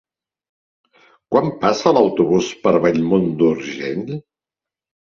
Quan passa l'autobús per Bellmunt d'Urgell?